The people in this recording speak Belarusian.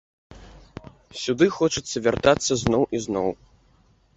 Сюды хочацца вяртацца зноў і зноў.